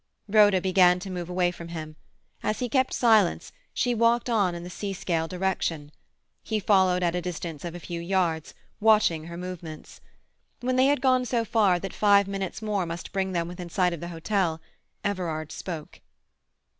Rhoda began to move away from him. As he kept silence, she walked on in the Seascale direction. He followed at a distance of a few yards, watching her movements. When they had gone so far that five minutes more must bring them within sight of the hotel, Everard spoke.